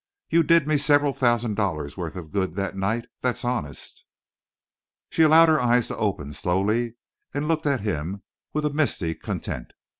You did me several thousand dollars' worth of good that night. That's honest!" She allowed her eyes to open, slowly, and looked at him with a misty content.